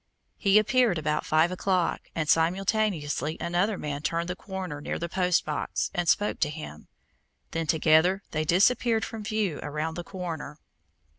He appeared about five o'clock and simultaneously another man turned the corner near the post box and spoke to him. Then, together, they disappeared from view around the corner.